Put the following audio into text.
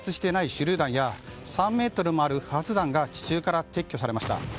手りゅう弾や３ｍもある不発弾が地中から撤去されました。